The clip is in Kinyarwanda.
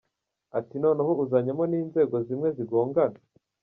Ati “…Noneho uzanyemo n’inzego zimwe zigongana.